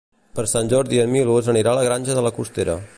Per Sant Jordi en Milos anirà a la Granja de la Costera.